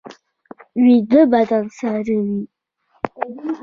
ویده بدن ساړه وي